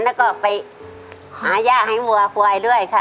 แล้วก็ไปหาย่าให้วัวควายด้วยค่ะ